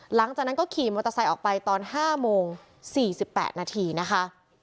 หลังจากนั้นก็ขี่มอเตอร์ไซค์ออกไปตอน๕โมง๔๘นาทีนะคะ